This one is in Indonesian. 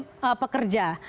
dengan merekrut pekerja